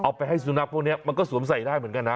ไปให้สุนัขพวกนี้มันก็สวมใส่ได้เหมือนกันนะ